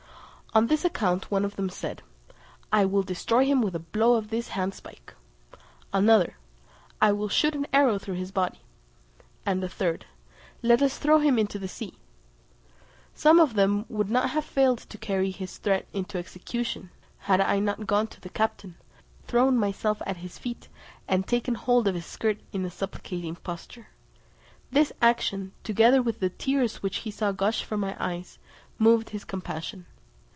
On this account one of them said, "I will destroy him with a blow of this handspike;" another, "I will shoot an arrow through his body;" and a third, "Let us throw him into the sea." Some one of them would not have failed to carry his threat into execution had I not gone to the captain, thrown myself at his feet, and taken hold of his skirt in a supplicating posture. This action, together with the tears which he saw gush from my eyes, moved his compassion.